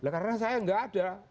karena saya tidak ada